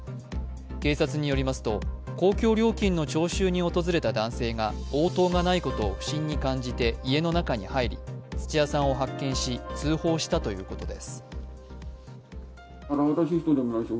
警察によりますと、公共料金の徴収に訪れた男性が応答がないことを不審に感じて家の中に入り、土屋さんを発見し通報したということです。